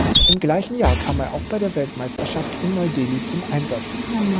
Im gleichen Jahr kam er auch bei der Weltmeisterschaft in Neu-Delhi zum Einsatz.